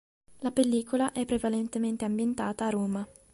La pellicola è prevalentemente ambientata a Roma.